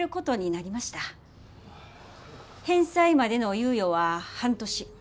返済までの猶予は半年。